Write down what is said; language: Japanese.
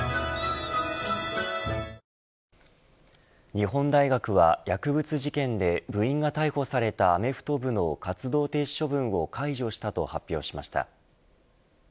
日本大学は薬物事件で部員が逮捕されたアメフト部の活動停止処分を解除したと発表しました。